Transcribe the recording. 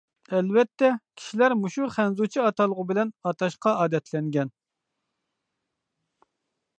ئەلۋەتتە، كىشىلەر مۇشۇ خەنزۇچە ئاتالغۇ بىلەن ئاتاشقا ئادەتلەنگەن.